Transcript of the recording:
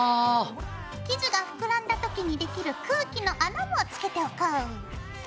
生地が膨らんだ時にできる空気の穴もつけておこう。